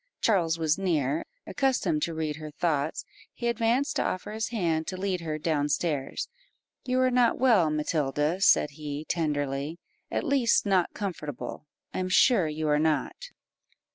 Charles was near; accustomed to read her thoughts, he advanced to offer his hand to lead her down stairs "You are not well, Matilda," said he, tenderly "at least not comfortable I am sure you are not."